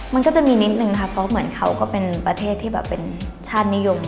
มันก็จะมีนิดนึงค่ะเพราะเหมือนเขาก็เป็นประเทศที่แบบเป็นชาตินิยม